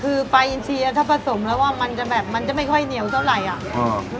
คือปลาอินเชียร์ถ้าผสมแล้วว่ามันจะแบบมันจะไม่ค่อยเหนียวเท่าไหร่อ่ะ